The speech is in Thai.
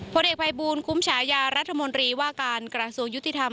ผลเอกภัยบูลคุ้มฉายารัฐมนตรีว่าการกระทรวงยุติธรรม